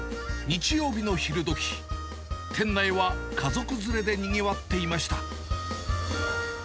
日曜日の昼どき、店内は家族連れでにぎわっていました。